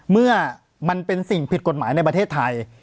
เมื่อมันเป็นสิ่งผิดกฎหมายในประเทศไทย